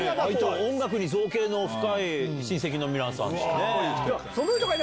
音楽に造詣の深い親戚の皆さんですね。